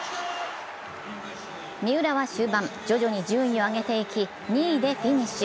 三浦は終盤、徐々に順位を上げていき、２位でフィニッシュ。